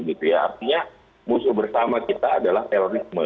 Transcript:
artinya musuh bersama kita adalah terorisme